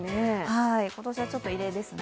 今年はちょっと異例ですね。